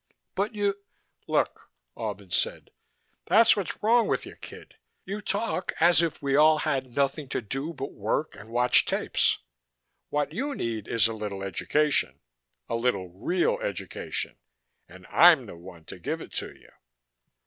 "But you " "Look," Albin said. "That's what's wrong with you, kid. You talk as if we all had nothing to do but work and watch tapes. What you need is a little education a little real education and I'm the one to give it to you."